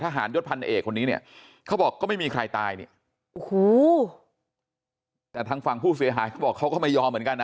ทหารยศพันเอกคนนี้เนี่ยเขาบอกก็ไม่มีใครตายเนี่ยโอ้โหแต่ทางฝั่งผู้เสียหายเขาบอกเขาก็ไม่ยอมเหมือนกันนะ